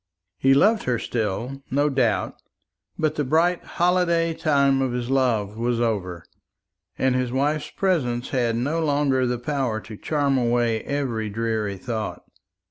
He loved her still, no doubt; but the bright holiday time of his love was over, and his wife's presence had no longer the power to charm away every dreary thought.